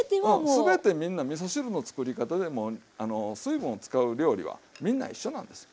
全てみんなみそ汁の作り方で水分を使う料理はみんな一緒なんですよ。